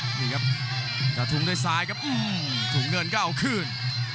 นี่ครับจะถุงด้วยซ้ายครับอื้มถุงเงินก็เอาขึ้น